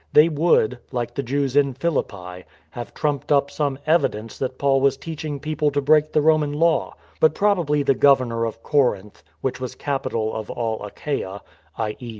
They would — like the Jews in Philippi — have trumped up some evidence that Paul was teach ing people to break the Roman law; but probably the governor of Corinth — which was capital of all Achaia (i.e.